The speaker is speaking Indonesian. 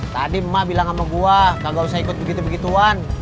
tadi emak bilang sama buah gak usah ikut begitu begituan